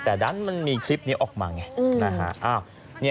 แต่ดันมันมีคลิปนี้ออกมาไงนะฮะ